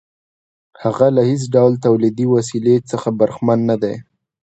هغه له هېڅ ډول تولیدي وسیلې څخه برخمن نه دی